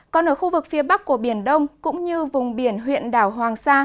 còn ở khu vực phía bắc của biển đông cũng như vùng biển huyện đảo hoàng sa